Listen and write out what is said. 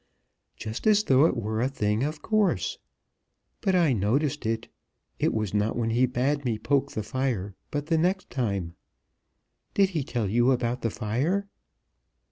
"Just as though it were a thing of course. But I noticed it. It was not when he bade me poke the fire, but the next time. Did he tell you about the fire?"